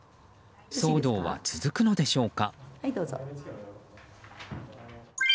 騒動は続くのでしょうか。